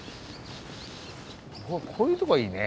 こういうとこがいいね！